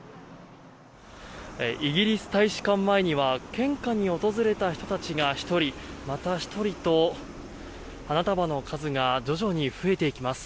イギリス大使館前には献花に訪れた人たちが１人、また１人と花束の数が徐々に増えていきます。